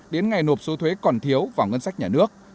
đến ngày nộp số thuế còn thiếu vào ngân sách nhà nước